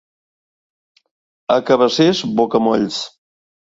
A Cabacés, bocamolls.